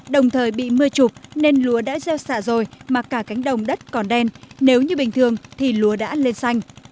đồng thời bị mưa chụp nên lúa đã gieo xạ rồi mà cả cánh đồng đất còn đen nếu như bình thường thì lúa đã lên xanh